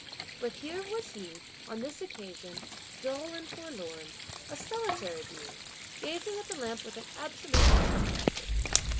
But here was he, on this occasion, dull and forlorn, a solitary being, gazing at the lamp with an absolute lack of pleasure.